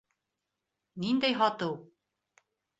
Ниндәй һатыу?